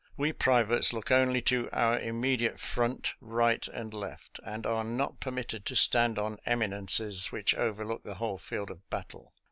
We privates look only to our immediate front, right, and left, and are not permitted to stand on eminences which overlook the whole field of battle.